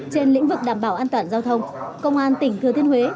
trên lĩnh vực đảm bảo an toàn giao thông công an tỉnh thừa thiên huế